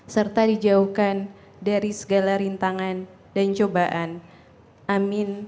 serta dijauhkan dari segala rintangan dan cobaan amin